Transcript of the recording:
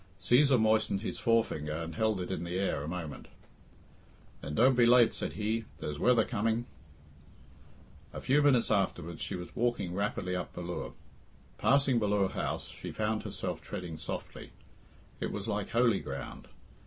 Cæsar moistened his forefinger and held it in the air a moment. "Then don't be late," said he, "there's weather coming." A few minutes afterwards she was walking rapidly up Ballure. Passing Ballure House, she found herself treading softly. It was like holy ground.